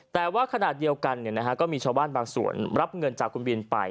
แต่ว่าขณะเดียวกันก็มีชาวบ้านบางส่วนรับเงินจากคุณบินไป